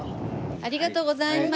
ありがとうございます！